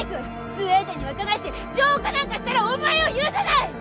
スウェーデンには行かないし浄化なんかしたらお前を許さない！